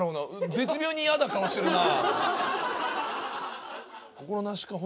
絶妙に嫌な顔してるな。